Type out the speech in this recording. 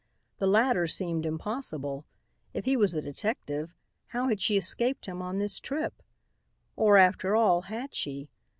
The latter seemed impossible. If he was a detective, how had she escaped him on this trip? Or, after all, had she?